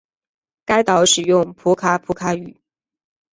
该岛使用普卡普卡语。